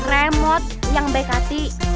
remot yang baik hati